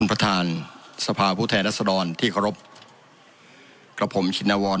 ท่านประธานสภาพุทธแทรศดรที่ขอรบกระผมชินวร